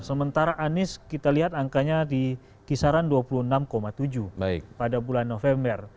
sementara anies kita lihat angkanya di kisaran dua puluh enam tujuh pada bulan november